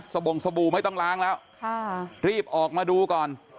บ่งสบู่ไม่ต้องล้างแล้วรีบออกมาดูก่อน